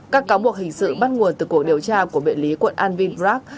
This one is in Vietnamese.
các cáo buộc hình sự bắt nguồn từ cuộc điều tra của biện lý quận alvin bragg